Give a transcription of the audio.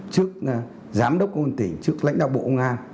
trước giám đốc công an tỉnh trước lãnh đạo bộ công an